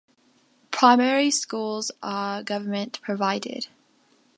Primary schools are government-provided.